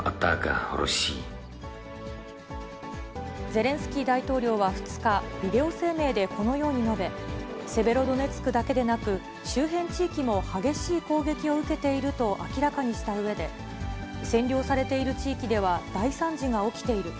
ゼレンスキー大統領は２日、ビデオ声明でこのように述べ、セベロドネツクだけでなく、周辺地域も激しい攻撃を受けていると明らかにしたうえで、占領されている地域では大惨事が起きている。